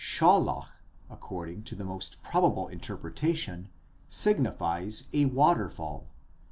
¥ according to the most probable interpretation signifies a waterfall.